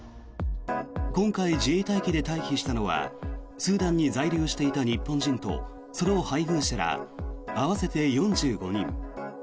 今回、自衛隊機で退避したのはスーダンに在留していた日本人とその配偶者ら合わせて４５人。